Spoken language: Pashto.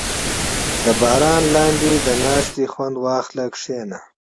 • د باران لاندې د ناستې خوند واخله، کښېنه.